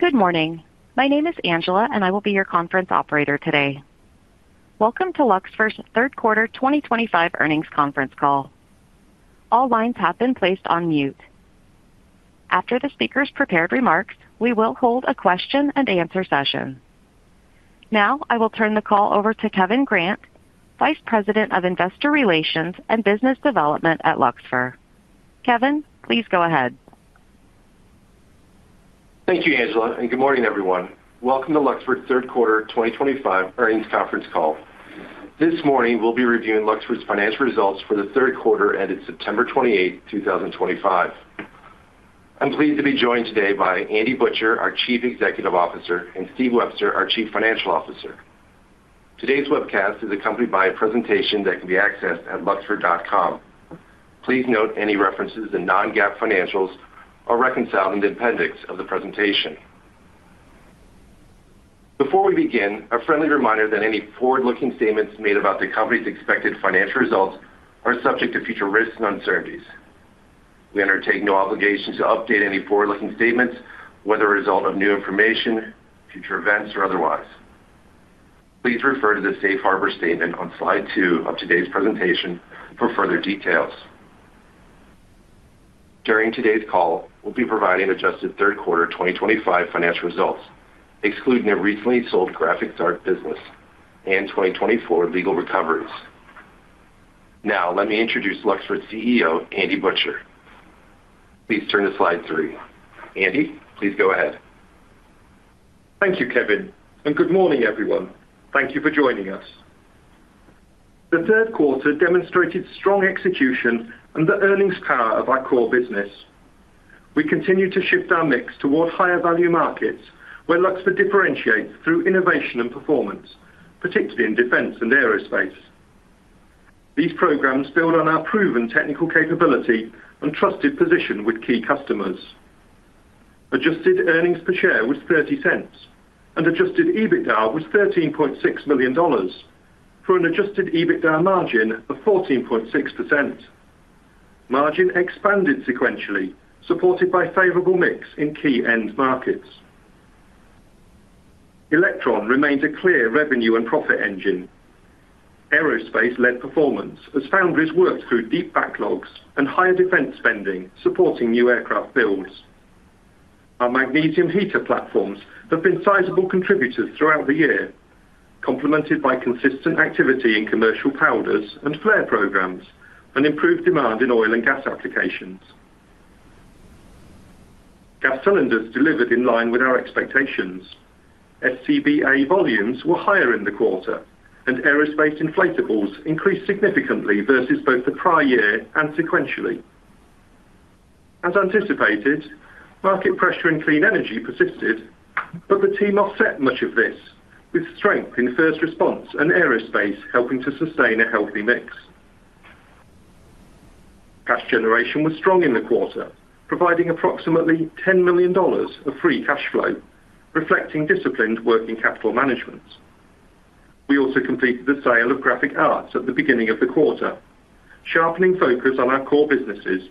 Good morning. My name is Angela, and I will be your conference operator today. Welcome to Luxfer's third quarter 2025 earnings conference call. All lines have been placed on mute. After the speakers prepare remarks, we will hold a question-and-answer session. Now, I will turn the call over to Kevin Grant, Vice President of Investor Relations and Business Development at Luxfer. Kevin, please go ahead. Thank you, Angela, and good morning, everyone. Welcome to Luxfer's third quarter 2025 earnings conference call. This morning, we'll be reviewing Luxfer's financial results for the third quarter ended September 28, 2025. I'm pleased to be joined today by Andy Butcher, our Chief Executive Officer, and Steve Webster, our Chief Financial Officer. Today's webcast is accompanied by a presentation that can be accessed at luxfer.com. Please note any references to non-GAAP financials are reconciled in the appendix of the presentation. Before we begin, a friendly reminder that any forward-looking statements made about the company's expected financial results are subject to future risks and uncertainties. We undertake no obligation to update any forward-looking statements whether a result of new information, future events, or otherwise. Please refer to the safe harbor statement on slide two of today's presentation for further details. During today's call, we'll be providing adjusted third quarter 2025 financial results, excluding the recently sold graphic arts business and 2024 legal recoveries. Now, let me introduce Luxfer's CEO, Andy Butcher. Please turn to slide three. Andy, please go ahead. Thank you, Kevin, and good morning, everyone. Thank you for joining us. The third quarter demonstrated strong execution and the earnings power of our core business. We continue to shift our mix toward higher value markets where Luxfer differentiates through innovation and performance, particularly in Defense and Aerospace. These programs build on our proven technical capability and trusted position with key customers. Adjusted earnings per share was $0.30, and adjusted EBITDA was $13.6 million for an adjusted EBITDA margin of 14.6%. Margin expanded sequentially, supported by favorable mix in key-end markets. Electron remained a clear revenue and profit engine. Aerospace led performance as foundries worked through deep backlogs and higher defense spending, supporting new Aircraft builds. Our Magnesium heater platforms have been sizable contributors throughout the year, complemented by consistent activity in commercial powders and flare programs and improved demand in oil and gas applications. Gas cylinders delivered in line with our expectations. SCBA volumes were higher in the quarter, and Aerospace Inflatables increased significantly versus both the prior year and sequentially. As anticipated, market pressure in clean energy persisted, yet the team offset much of this with strength in first response and Aerospace, helping to sustain a healthy mix. Cash generation was strong in the quarter, providing approximately $10 million of free cash flow, reflecting disciplined working capital management. We also completed the sale of graphic arts at the beginning of the quarter, sharpening focus on our core businesses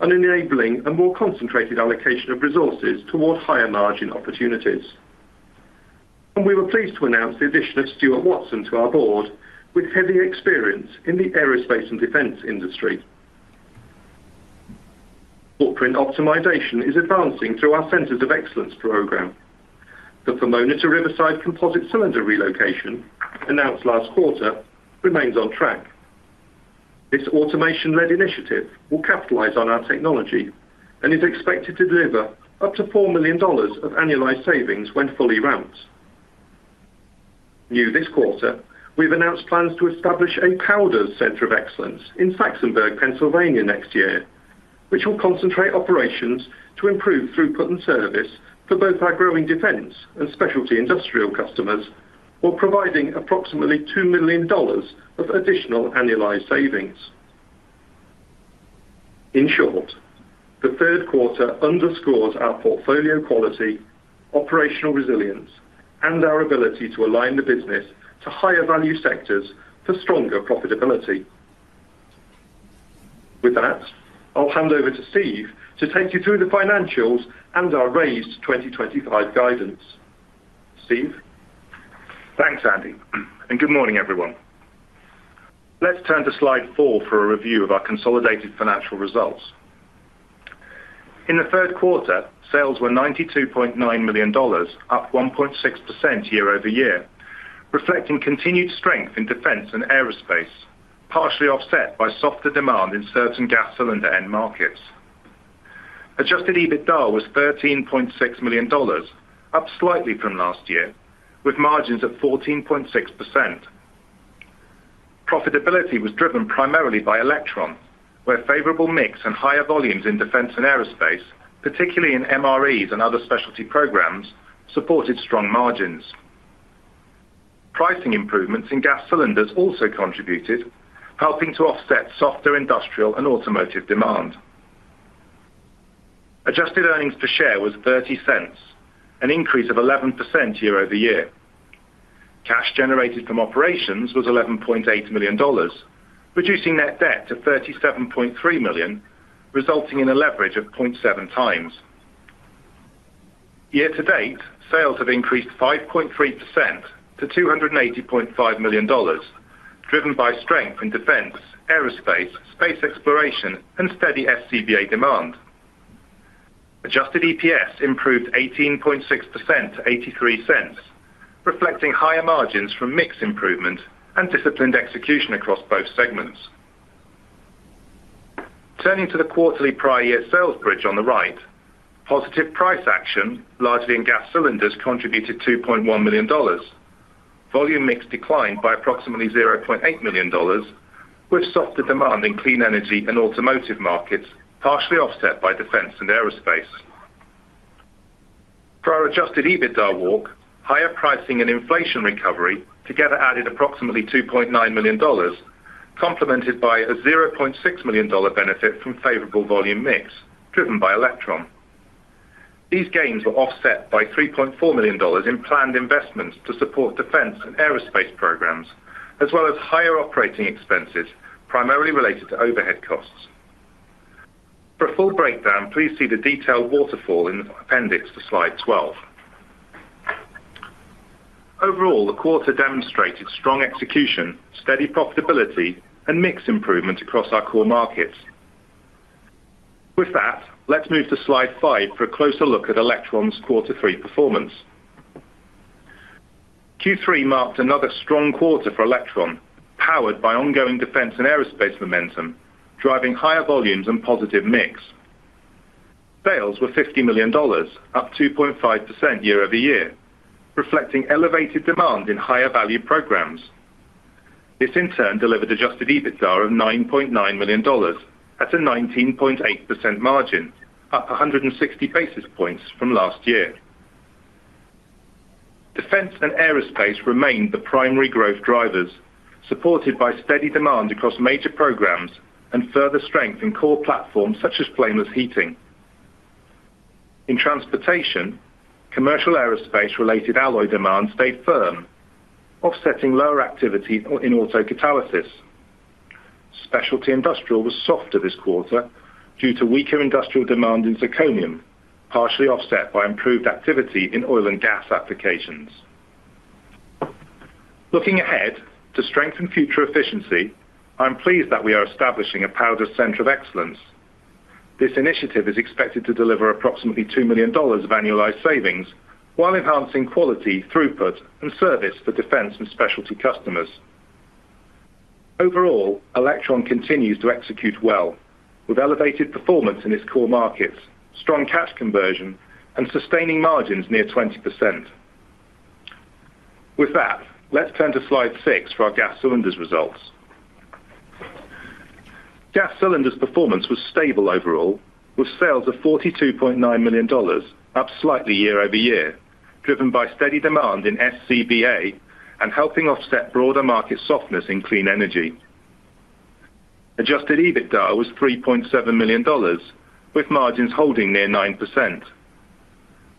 and enabling a more concentrated allocation of resources toward higher margin opportunities. We were pleased to announce the addition of Stuart Watson to our Board with heavy experience in the Aerospace and Defense industry. Footprint optimization is advancing through our Centers of Excellence program. The Pomona to Riverside composite cylinder relocation announced last quarter remains on track. This automation-led initiative will capitalize on our technology and is expected to deliver up to $4 million of annualized savings when fully ramped. New this quarter, we've announced plans to establish a powders center of excellence in Saxenburg, Pennsylvania, next year, which will concentrate operations to improve throughput and service for both our growing Defense and specialty industrial customers, while providing approximately $2 million of additional annualized savings. In short, the third quarter underscores our portfolio quality, operational resilience, and our ability to align the business to higher value sectors for stronger profitability. With that, I'll hand over to Steve to take you through the financials and our raised 2025 guidance. Steve. Thanks, Andy, and good morning, everyone. Let's turn to slide four for a review of our consolidated financial results. In the third quarter, sales were $92.9 million, up 1.6% year-over-year, reflecting continued strength in Defense and Aerospace, partially offset by softer demand in certain gas cylinder end markets. Adjusted EBITDA was $13.6 million, up slightly from last year, with margins at 14.6%. Profitability was driven primarily by Electron, where favorable mix and higher volumes in Defense and Aerospace, particularly in MRE heater platforms and other Specialty programs, supported strong margins. Pricing improvements in gas cylinders also contributed, helping to offset softer Industrial and Automotive demand. Adjusted earnings per share was $0.30, an increase of 11% year-over-year. Cash generated from operations was $11.8 million, reducing net debt to $37.3 million, resulting in a leverage of 0.7x. Year-to-date, sales have increased 5.3% to $280.5 million, driven by strength in Defense, Aerospace, Space Exploration, and steady SCBA demand. Adjusted EPS improved 18.6% to $0.83, reflecting higher margins from mix improvement and disciplined execution across both segments. Turning to the quarterly prior year sales bridge on the right, positive price action largely in gas cylinders contributed $2.1 million. Volume mix declined by approximately $0.8 million, with softer demand in Clean Energy and Automotive markets, partially offset by Defense and Aerospace. For our adjusted EBITDA walk, higher pricing and inflation recovery together added approximately $2.9 million, complemented by a $0.6 million benefit from favorable volume mix driven by Electron. These gains were offset by $3.4 million in planned investments to support Defense and Aerospace programs, as well as higher operating expenses primarily related to overhead costs. For a full breakdown, please see the detailed waterfall in the appendix for slide 12. Overall, the quarter demonstrated strong execution, steady profitability, and mix improvement across our core markets. With that, let's move to slide five for a closer look at Electron's quarter three performance. Q3 marked another strong quarter for Electron, powered by ongoing Defense and Aerospace momentum, driving higher volumes and positive mix. Sales were $50 million, up 2.5% year-over-year, reflecting elevated demand in higher value programs. This, in turn, delivered adjusted EBITDA of $9.9 million at a 19.8% margin, up 160 basis points from last year. Defense and Aerospace remained the primary growth drivers, supported by steady demand across major programs and further strength in core platforms such as flameless heating. In transportation, commercial aerospace-related alloy demand stayed firm, offsetting lower activity in auto catalysis. Specialty industrial was softer this quarter due to weaker industrial demand in Zirconium, partially offset by improved activity in oil and gas applications. Looking ahead to strengthen future efficiency, I'm pleased that we are establishing a powders center of excellence. This initiative is expected to deliver approximately $2 million of annualized savings while enhancing quality, throughput, and service for Defense and Specialty customers. Overall, Electron continues to execute well with elevated performance in its core markets, strong cash conversion, and sustaining margins near 20%. With that, let's turn to slide six for our gas cylinders results. Gas cylinders performance was stable overall, with sales of $42.9 million, up slightly year-over-year, driven by steady demand in SCBA and helping offset broader market softness in clean energy. Adjusted EBITDA was $3.7 million, with margins holding near 9%.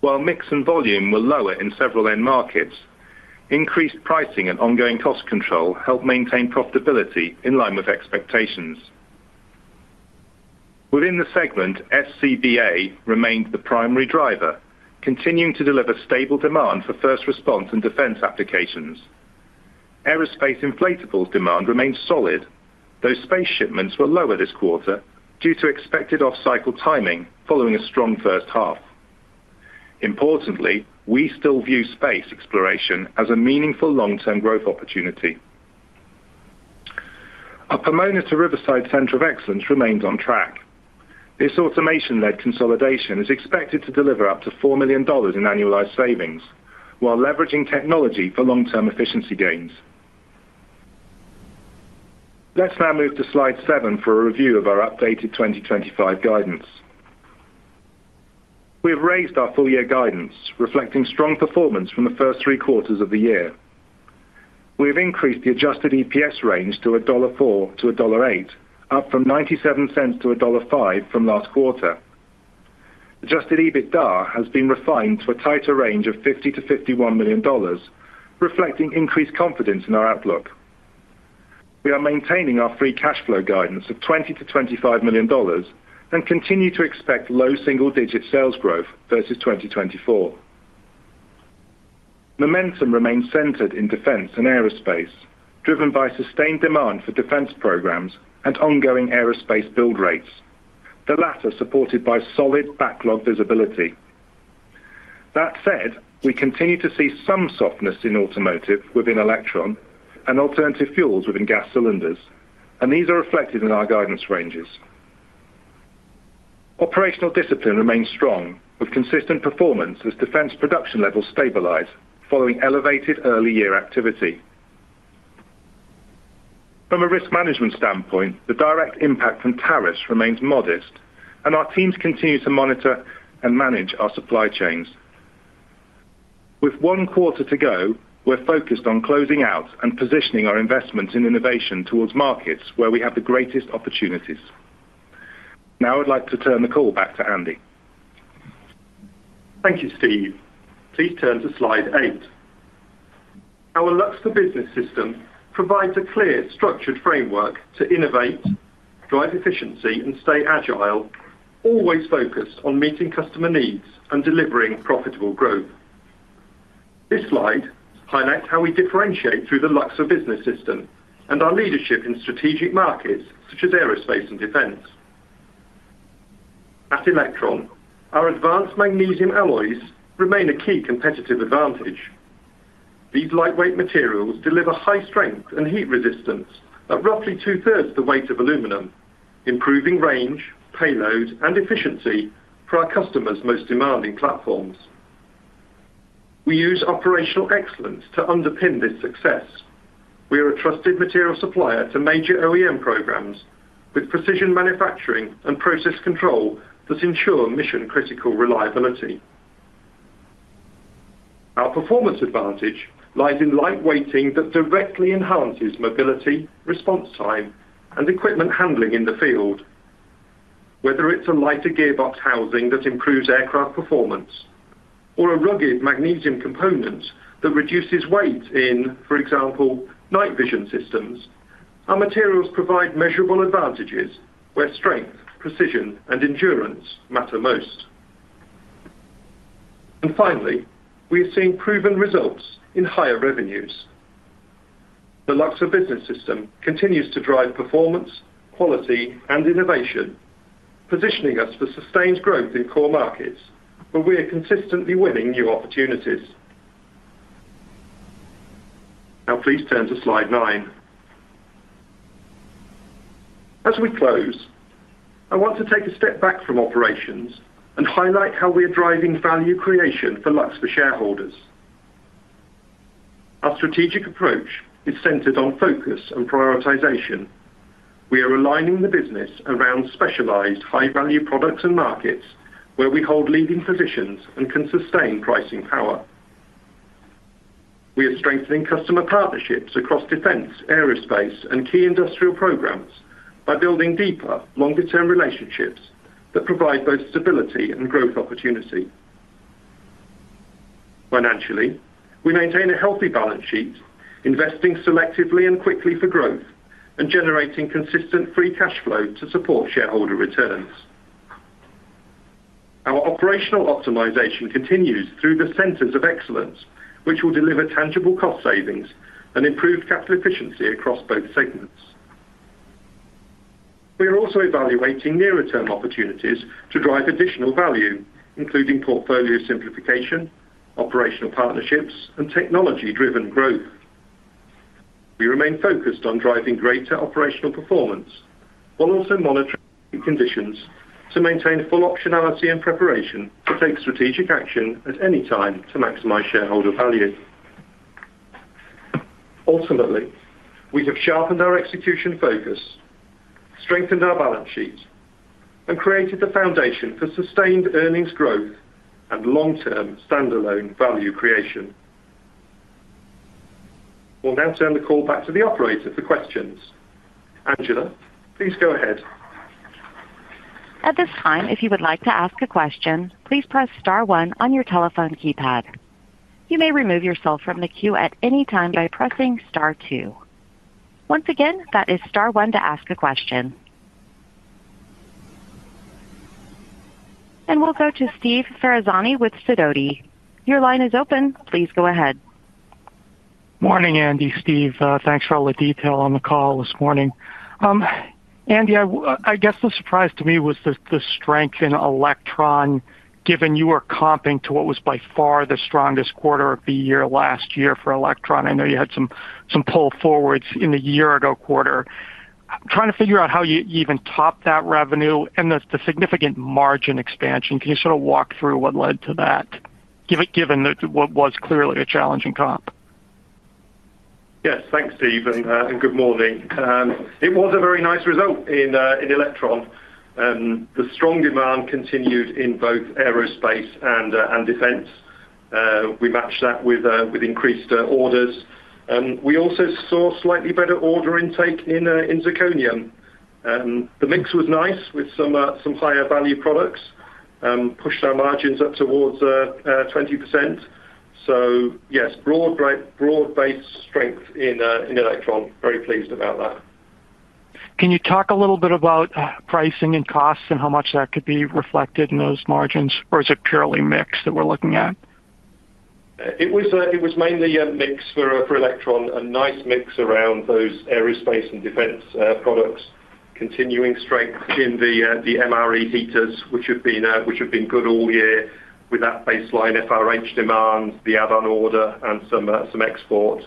While mix and volume were lower in several end markets, increased pricing and ongoing cost control helped maintain profitability in line with expectations. Within the segment, SCBA remained the primary driver, continuing to deliver stable demand for first response and defense applications. Aerospace inflatables demand remains solid, though space shipments were lower this quarter due to expected off-cycle timing following a strong first half. Importantly, we still view Space Exploration as a meaningful long-term growth opportunity. Our Pomona to Riverside center of excellence remains on track. This automation-led consolidation is expected to deliver up to $4 million in annualized savings while leveraging technology for long-term efficiency gains. Let's now move to slide seven for a review of our updated 2025 guidance. We have raised our full-year guidance, reflecting strong performance from the first three quarters of the year. We've increased the adjusted EPS range to $1.40-$1.80, up from $0.97 to $1.50 from last quarter. Adjusted EBITDA has been refined to a tighter range of $50 million-$51 million, reflecting increased confidence in our outlook. We are maintaining our free cash flow guidance of $20 million-$25 million and continue to expect low single-digit sales growth versus 2024. Momentum remains centered in Defense and Aerospace, driven by sustained demand for defense programs and ongoing Aerospace build rates, the latter supported by solid backlog visibility. That said, we continue to see some softness in automotive within Electron and alternative fuels within gas cylinders, and these are reflected in our guidance ranges. Operational discipline remains strong, with consistent performance as defense production levels stabilize following elevated early-year activity. From a risk management standpoint, the direct impact from tariffs remains modest, and our teams continue to monitor and manage our supply chains. With one quarter to go, we're focused on closing out and positioning our investments in innovation towards markets where we have the greatest opportunities. Now, I'd like to turn the call back to Andy. Thank you, Steve. Please turn to slide eight. Our Luxfer business system provides a clear, structured framework to innovate, drive efficiency, and stay agile, always focused on meeting customer needs and delivering profitable growth. This slide highlights how we differentiate through the Luxfer Business System and our leadership in strategic markets such as Aerospace and Defense. At Electron, our advanced magnesium alloys remain a key competitive advantage. These lightweight materials deliver high strength and heat resistance at roughly two-thirds the weight of Aluminum, improving range, payload, and efficiency for our customers' most demanding platforms. We use operational excellence to underpin this success. We are a trusted material supplier to major OEM programs with precision manufacturing and process control that ensure mission-critical reliability. Our performance advantage lies in lightweighting that directly enhances mobility, response time, and equipment handling in the field. Whether it's a lighter gearbox housing that improves aircraft performance or a rugged magnesium component that reduces weight in, for example, night vision systems, our materials provide measurable advantages where strength, precision, and endurance matter most. We are seeing proven results in higher revenues. The Luxfer Business System continues to drive performance, quality, and innovation, positioning us for sustained growth in core markets where we are consistently winning new opportunities. Now, please turn to slide nine. As we close, I want to take a step back from operations and highlight how we are driving value creation for Luxfer shareholders. Our strategic approach is centered on focus and prioritization. We are aligning the business around specialized, high-value products and markets where we hold leading positions and can sustain pricing power. We are strengthening customer partnerships across Defense, Aerospace, and key industrial programs by building deeper, longer-term relationships that provide both stability and growth opportunity. Financially, we maintain a healthy balance sheet, investing selectively and quickly for growth and generating consistent free cash flow to support shareholder returns. Our operational optimization continues through the centers of excellence, which will deliver tangible cost savings and improve capital efficiency across both segments. We are also evaluating nearer-term opportunities to drive additional value, including portfolio simplification, operational partnerships, and technology-driven growth. We remain focused on driving greater operational performance while also monitoring conditions to maintain full optionality and preparation to take strategic action at any time to maximize shareholder value. Ultimately, we have sharpened our execution focus, strengthened our balance sheet, and created the foundation for sustained earnings growth and long-term standalone value creation. We'll now turn the call back to the operator for questions. Angela, please go ahead. At this time, if you would like to ask a question, please press star one on your telephone keypad. You may remove yourself from the queue at any time by pressing star two. Once again, that is star one to ask a question. We will go to Steve Ferazani with Sidoti. Your line is open. Please go ahead. Morning, Andy. Steve, thanks for all the detail on the call this morning. Andy, I guess the surprise to me was the strength in Electron, given you were comping to what was by far the strongest quarter of the year last year for Electron. I know you had some pull forwards in the year-ago quarter. I'm trying to figure out how you even topped that revenue and the significant margin expansion. Can you sort of walk through what led to that, given that what was clearly a challenging comp? Yes, thanks, Steve, and good morning. It was a very nice result in Electron. The strong demand continued in both Aerospace and Defense. We matched that with increased orders. We also saw slightly better order intake in Zirconium. The mix was nice with some higher value products, pushed our margins up towards 20%. Yes, broad-based strength in Electron. Very pleased about that. Can you talk a little bit about pricing and costs and how much that could be reflected in those margins, or is it purely mix that we're looking at? It was mainly a mix for Electron, a nice mix around those Aerospace and Defense products. Continuing strength in the MRE heater platforms, which have been good all year with that baseline FRH demand, the add-on order, and some export.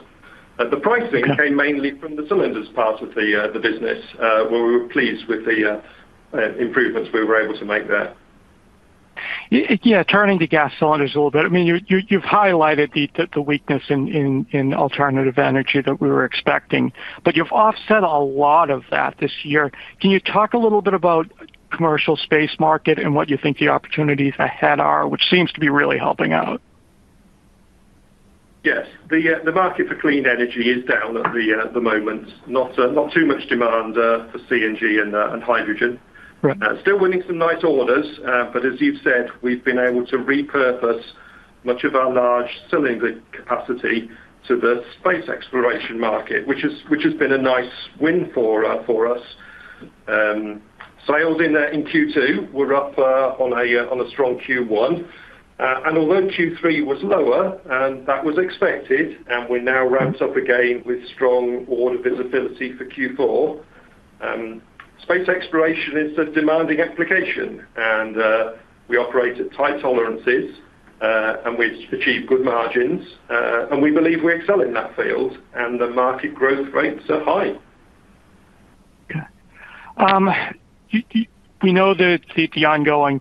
The pricing came mainly from the cylinders part of the business, where we were pleased with the improvements we were able to make there. Yeah, turning to gas cylinders a little bit, I mean, you've highlighted the weakness in alternative energy that we were expecting, but you've offset a lot of that this year. Can you talk a little bit about the commercial space market and what you think the opportunities ahead are, which seems to be really helping out? Yes, the market for clean energy is down at the moment, not too much demand for CNG and hydrogen. Still winning some nice orders, but as you've said, we've been able to repurpose much of our large cylinder capacity to the space exploration market, which has been a nice win for us. Sales in Q2 were up on a strong Q1. Although Q3 was lower, that was expected, and we're now ramped up again with strong order visibility for Q4. Space exploration is a demanding application, and we operate at tight tolerances, and we've achieved good margins, and we believe we excel in that field, and the market growth rates are high. Okay. We know that the ongoing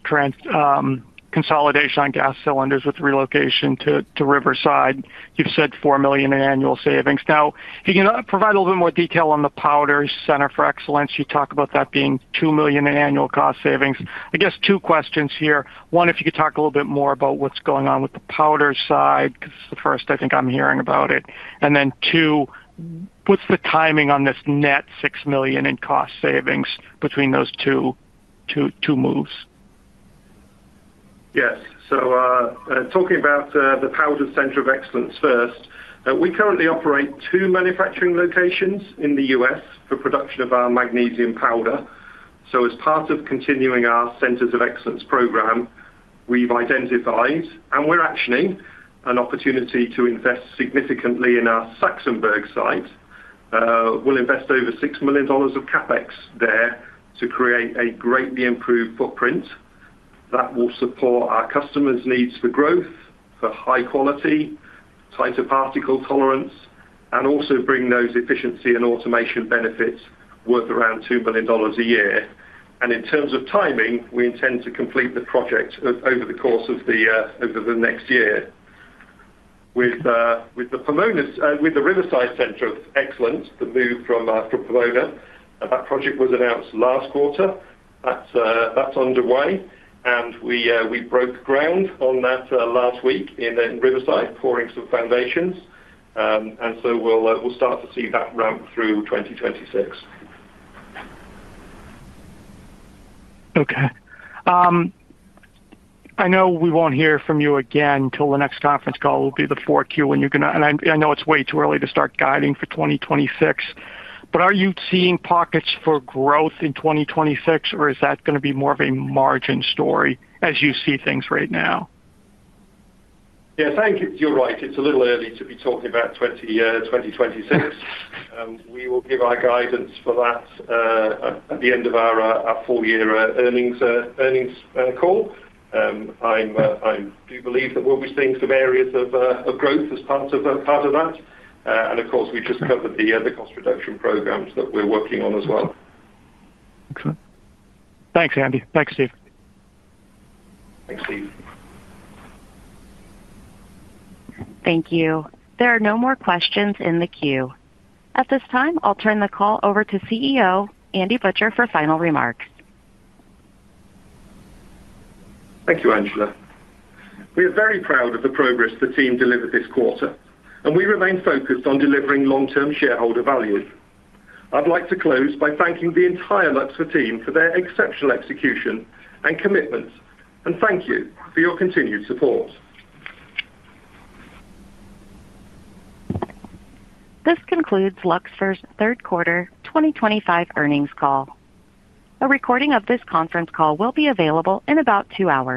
consolidation on gas cylinders with the relocation to Riverside, you've said $4 million in annual savings. Now, if you can provide a little bit more detail on the powders center of excellence, you talk about that being $2 million in annual cost savings. I guess two questions here. One, if you could talk a little bit more about what's going on with the powders side, because it's the first I think I'm hearing about it. Then two, what's the timing on this net $6 million in cost savings between those two moves? Yes. Talking about the powders center of excellence first, we currently operate two manufacturing locations in the U.S. for production of our Magnesium powder. As part of continuing our centers of excellence program, we've identified, and we're actioning, an opportunity to invest significantly in our Saxenburg site. We'll invest over $6 million of CapEx there to create a greatly improved footprint that will support our customers' needs for growth, for high quality, tighter particle tolerance, and also bring those efficiency and automation benefits worth around $2 million a year. In terms of timing, we intend to complete the project over the course of the next year. With the Riverside center of excellence, the move from Pomona, that project was announced last quarter. That's underway, and we broke ground on that last week in Riverside, pouring some foundations. We'll start to see that ramp through 2026. Okay. I know we won't hear from you again until the next conference call. It will be the 4Q, and I know it's way too early to start guiding for 2026. Are you seeing pockets for growth in 2026, or is that going to be more of a margin story as you see things right now? Yes, I think you're right. It's a little early to be talking about 2026. We will give our guidance for that at the end of our full-year earnings call. I do believe that we'll be seeing some areas of growth as part of that. We just covered the cost reduction programs that we're working on as well. Excellent. Thanks, Andy. Thanks, Steve. Thanks, Steve. Thank you. There are no more questions in the queue. At this time, I'll turn the call over to CEO Andy Butcher for final remarks. Thank you, Angela. We are very proud of the progress the team delivered this quarter, and we remain focused on delivering long-term shareholder value. I'd like to close by thanking the entire Luxfer team for their exceptional execution and commitment, and thank you for your continued support. This concludes Luxfer's third quarter 2025 earnings call. A recording of this conference call will be available in about two hours.